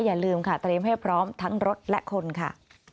อย่าลืมค่ะเตรียมให้พร้อมทั้งรถและคนค่ะ